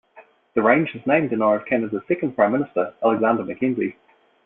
The range is named in honour of Canada's second prime minister, Alexander Mackenzie.